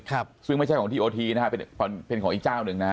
ครับซึ่งไม่ใช่ของทีโอทีนะฮะเป็นเป็นของอีกเจ้าหนึ่งนะฮะ